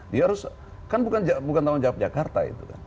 dia harus kan bukan tanggung jawab jakarta itu kan